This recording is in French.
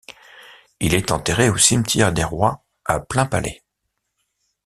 Il est enterré au Cimetière des Rois à Plainpalais.